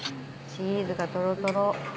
チーズがトロトロ。